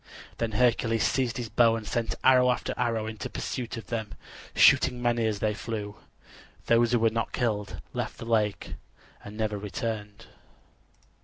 Then Hercules seized his bow and sent arrow after arrow in pursuit of them, shooting many as they flew. Those who were not killed left the lake and never returned.